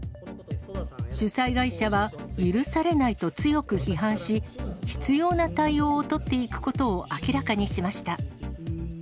主催会社は許されないと強く批判し、必要な対応を取っていくことを明らかにしました。